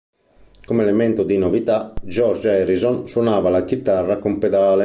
Come elemento di novità, George Harrison suonava la chitarra con pedale.